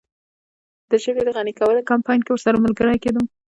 د ژبې د غني کولو کمپاین کې ورسره ملګری کیږم.